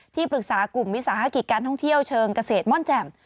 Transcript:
ที่ปรึกษากลุ่มวิสาหกิจการท่องเที่ยวเชิงเกษตรม่อนแจ่ม